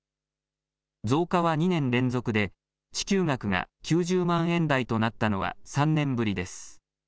増加は２年連続で支給額が９０万円台となったのは３年ぶりです。